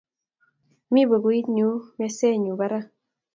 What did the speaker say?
Mi pukuit nyu mesennyu parak.